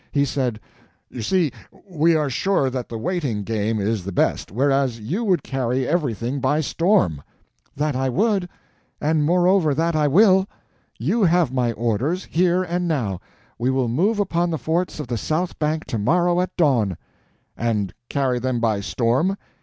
He said: "You see, we are sure that the waiting game is the best, whereas you would carry everything by storm." "That I would!—and moreover that I will! You have my orders—here and now. We will move upon the forts of the south bank to morrow at dawn." "And carry them by storm?"